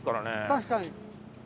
確かに。